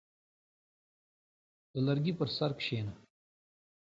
• د لرګي پر سر کښېنه.